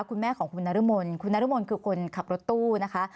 คุณแม่ของคุณนรมนคุณนรมนคือคนขับรถตู้นะคะ